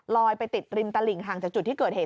ไปติดริมตลิ่งห่างจากจุดที่เกิดเหตุ